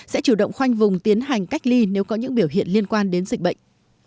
sẽ chủ động khoanh vùng tiến hành cách ly nếu có những biểu hiện liên quan đến dịch bệnh